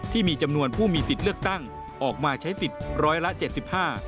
ที่มีจำนวนผู้มีสิทธิ์เลือกตั้งออกมาใช้สิทธิ์๑๗๕